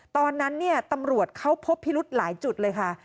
ตอนนั้นเนี่ยตำรวจเขาพบพิรุธหลายจุดเลยค่ะ